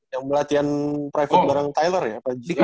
yang melatihan private bareng tyler ya